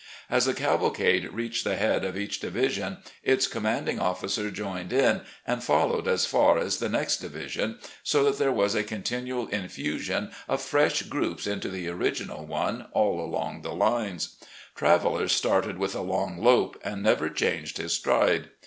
As the cavalcade reached the head of each division, its commanding officer joined in and followed as far as the next division, so that there was a continual infusion of fresh groups into the original one aU along the lines. Traveller started with a long lope, and never changed his stride.